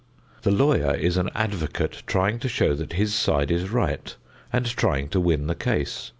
The lawyer is an advocate trying to show that his side is right and trying to win the case.